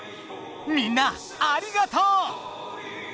みんなありがとう！